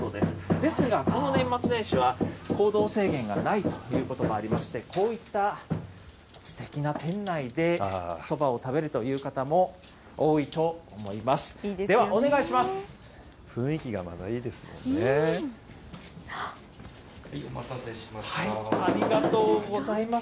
ですが、この年末年始は、行動制限がないということもありまして、こういったすてきな店内でそばを食べるという方も多いと思います。